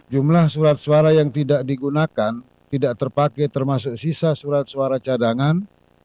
tiga ribu sembilan ratus enam jumlah surat suara yang tidak digunakan tidak terpakai termasuk sisa surat suara cadangan